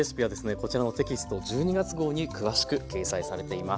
こちらのテキスト１２月号に詳しく掲載されています。